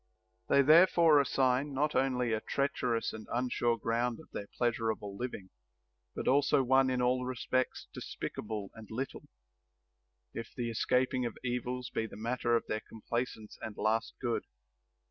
7. They therefore assign not only a treacherous and un sure ground of their pleasurable living, but also one in all respects despicable and little, if the escaping of evils be the matter of their complacence and last good.